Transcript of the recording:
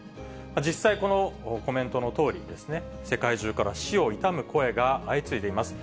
実際、このコメントのとおり、世界中から死を悼む声が相次いでいます。